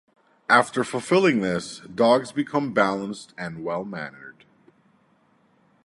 After fulfilling this, dogs become balanced and well-mannered.